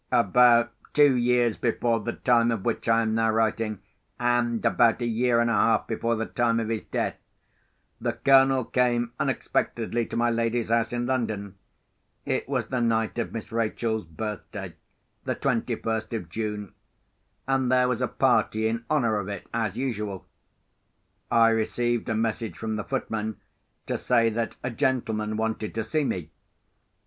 About two years before the time of which I am now writing, and about a year and a half before the time of his death, the Colonel came unexpectedly to my lady's house in London. It was the night of Miss Rachel's birthday, the twenty first of June; and there was a party in honour of it, as usual. I received a message from the footman to say that a gentleman wanted to see me.